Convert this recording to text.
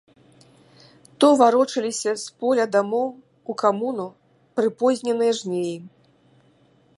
То варочаліся з поля дамоў, у камуну, прыпозненыя жнеі.